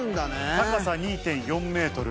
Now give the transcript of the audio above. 高さ２．４メートル。